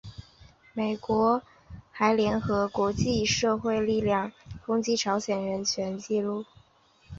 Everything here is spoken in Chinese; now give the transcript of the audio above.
美国还联合国际社会力量抨击朝鲜的人权纪录。